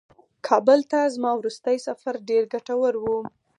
کابل ته زما وروستی سفر ډېر ګټور و.